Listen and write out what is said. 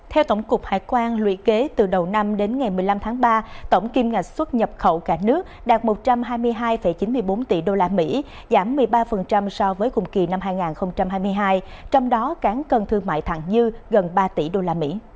theo tổng cục hải quan lùi kế từ đầu năm đến ngày một mươi năm tháng ba tổng kim ngạch xuất nhập khẩu cả nước đạt một trăm hai mươi hai chín mươi bốn tỷ usd giảm một mươi ba so với cùng kỳ năm hai nghìn hai mươi hai trong đó cán cân thương mại thẳng dư gần ba tỷ usd